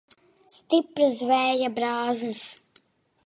Stipras vēja brāzmas.